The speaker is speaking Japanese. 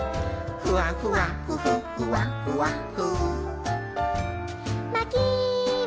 「ふわふわふふふわふわふ」